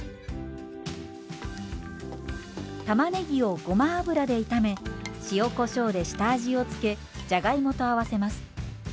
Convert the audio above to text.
たまねぎをごま油で炒め塩こしょうで下味を付けじゃがいもと合わせます。